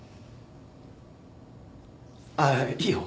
あいいよ。